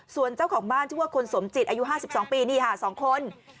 ส่วนเจ้าของบ้านชื่อว่าคุณสมจิตอายุ๕๒ปีนี่ค่ะ๒คน